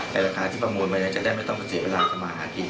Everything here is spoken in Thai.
แต่ราคาที่ประมูลไปก็จะได้มันไม่ต้องเสียเวลามาหากิน